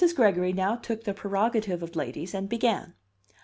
Gregory now took the prerogative of ladies, and began.